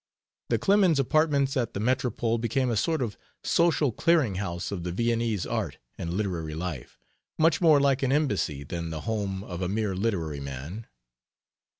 The Clemens apartments at the Metropole became a sort of social clearing house of the Viennese art and literary life, much more like an embassy than the home of a mere literary man.